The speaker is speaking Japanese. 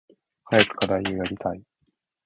早く課題をやりたい。